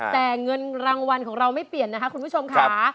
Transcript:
แต่เงินรางวัลของเราไม่เปลี่ยนนะคะคุณผู้ชมค่ะ